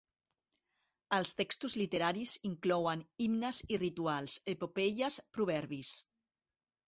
Els textos literaris inclouen himnes i rituals, epopeies, proverbis.